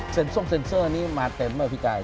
เซ็นส้มเซ็นเซอร์นี้มาเต็มไหมพี่กาย